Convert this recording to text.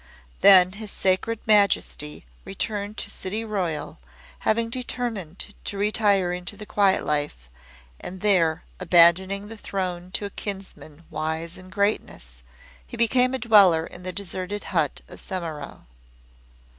Then His sacred Majesty returned to City Royal, having determined to retire into the quiet life, and there, abandoning the throne to a kinsman wise in greatness, he became a dweller in the deserted hut of Semimaru.